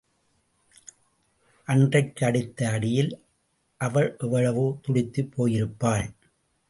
அன்றைக்கு அடித்த அடியில் அவள் எவ்வளவு துடித்துப் போயிருப்பாள்.